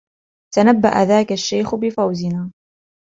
تنبأ ذاك الشيخ بفوزنا.